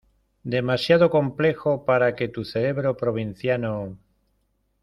demasiado complejo para que tu cerebro provinciano